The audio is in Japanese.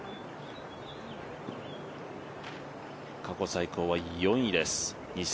過去最高は４位です。